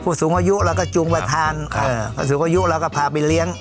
สูงอายุเราก็จูงไปทานผู้สูงอายุเราก็พาไปเลี้ยง